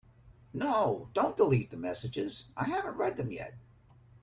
No, don’t delete the messages, I haven’t read them yet.